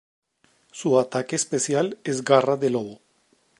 Su ataque especial es garras de lobo.